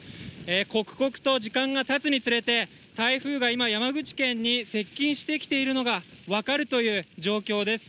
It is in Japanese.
刻々と時間がたつにつれて、台風が今、山口県に接近してきているのが分かるという状況です。